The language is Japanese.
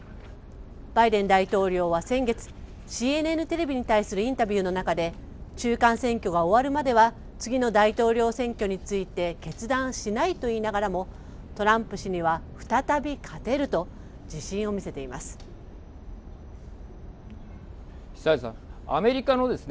バイデン大統領は先月ＣＮＮテレビに対するインタビューの中で中間選挙が終わるまでは次の大統領選挙について決断しないと言いながらもトランプ氏には再び勝てると自信を見せています。